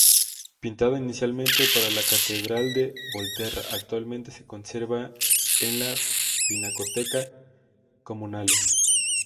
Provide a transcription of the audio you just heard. Pintada inicialmente para la catedral de Volterra, actualmente se conserva en la Pinacoteca Comunale.